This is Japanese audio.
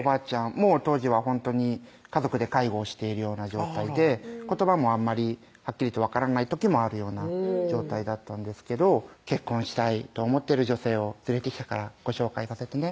もう当時はほんとに家族で介護をしているような状態で言葉もあんまりはっきり言って分からない時もあるような状態だったんですけど「結婚したいと思ってる女性を連れてきたからご紹介させてね」